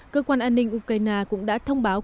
cơ quan an ninh ukraine cũng đã thông báo